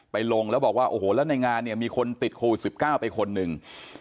ไปลงแล้วบอกว่าในงานมีคนติดโควิด๑๙ไปคนหนึ่ง